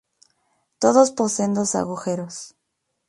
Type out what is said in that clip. Todos poseen dos agujeros.